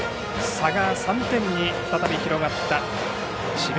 差が３点に再び広がった智弁